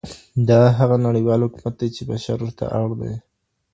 دا هغه نړيوال حکومت دی چي بشر ورته اړ دی.